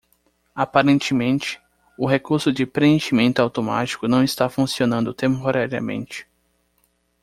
Aparentemente, o recurso de preenchimento automático não está funcionando temporariamente.